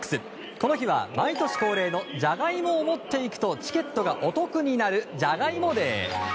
この日は毎年恒例のじゃがいもを持っていくとチケットがお得になるじゃがいもデー。